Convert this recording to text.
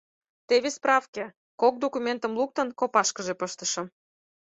Теве справке, — кок документым луктын, копашкыже пыштышым.